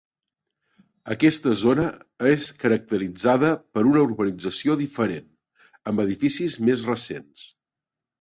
Aquesta zona és caracteritzada per una urbanització diferent, amb edificis més recents.